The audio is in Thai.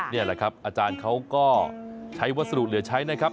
นี่คืออาจารย์ของเค้าก็ใช้วัสดุเหลือใช้นะครับ